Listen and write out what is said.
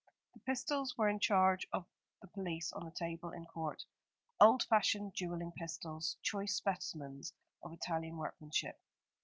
The pistols were in charge of the police on a table in court, old fashioned duelling pistols, choice specimens of Italian workmanship.